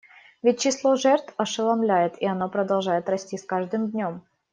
Ведь число жертв ошеломляет, и оно продолжает расти с каждым днем.